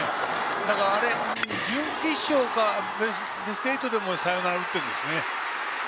準決勝かベスト８でもサヨナラ打っているんですね。